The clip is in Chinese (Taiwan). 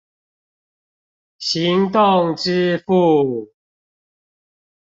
行動支付